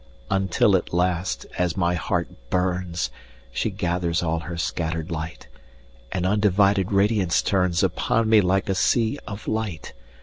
Until at last, as my heart burns, She gathers all her scatter'd light, And undivided radiance turnsUpon me like a sea of light.